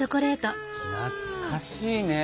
懐かしいね。ね！